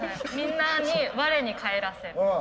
みんなに我に返らせる。